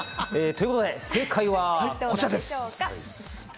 ということで正解はこちらです。